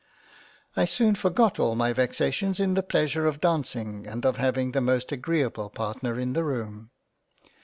I soon forgot all my vexations in the pleasure of dancing and of having the most agreable partner in the room.